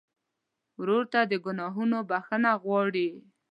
ورور ته د ګناهونو بخښنه غواړې.